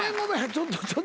ちょっとちょっと。